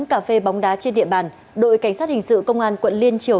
trên đường bóng đá trên địa bàn đội cảnh sát hình sự công an quận liên triều